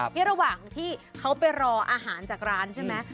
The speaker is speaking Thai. นี่ระหว่างที่เขาไปรออาหารจากร้านใช่ไหม